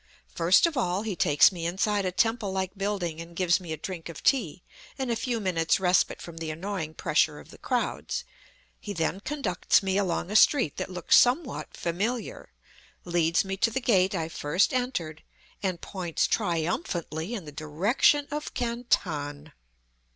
First of all he takes me inside a temple like building and gives me a drink of tea and a few minutes' respite from the annoying pressure of the crowds; he then conducts me along a street that looks somewhat familiar, leads me to the gate I first entered, and points triumphantly in the direction of Canton!